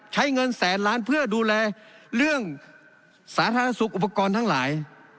ใช้เงินแสนล้านเพื่อดูแลเรื่องสาธารณสุขอุปกรณ์ทั้งหลาย